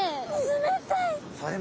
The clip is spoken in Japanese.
冷たい。